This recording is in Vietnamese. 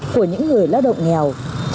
của những người lao động nghèo